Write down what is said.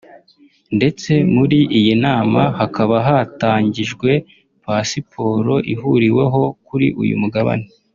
ndetse muri iyi nama hakaba hatangijwe pasiporo ihuriweho kuri uyu mugabane